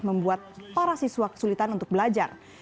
membuat para siswa kesulitan untuk belajar